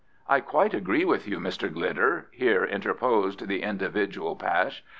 "I quite agree with you, Mr. Glidder," here interposed the individual Pash.